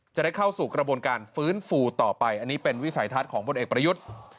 จะได้เข้าสู่กระบวนการฟื้นฟูต่อไปอันนี้เป็นวิสัยทัศน์ของพลเอกประยุทธ์